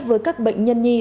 với các bệnh nhân nhi